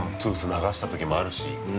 流したこともあるし。